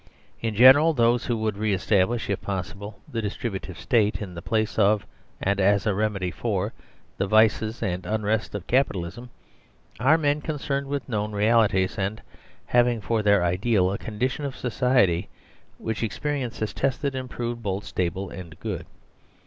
In general, those who would re establish, if possible, the Distributive State in the place of, and as a remedy for, the vices and unrest of Capitalism, are men con cerned with known realities, and having for their ideal a condition of society which experience has tested and proved both stable and good.